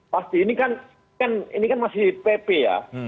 pasti ini kan ini kan masih pp ya